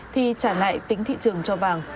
thì trả lại tính thị trường cho vàng